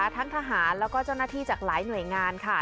ทั้งทหารแล้วก็เจ้าหน้าที่จากหลายหน่วยงานค่ะ